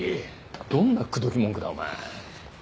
どんな口説き文句だお前。